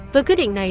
với quyết định này